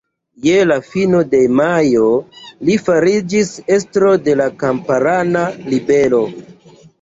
Je la fino de majo li fariĝis estro de la kamparana ribelo.